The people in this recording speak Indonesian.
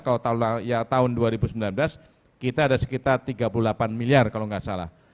kalau tahun dua ribu sembilan belas kita ada sekitar tiga puluh delapan miliar kalau nggak salah